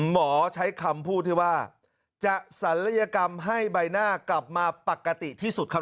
หมอใช้คำพูดที่ว่าจะศัลยกรรมให้ใบหน้ากลับมาปกติที่สุดครับ